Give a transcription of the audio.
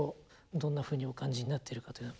どんなふうにお感じになってるかと。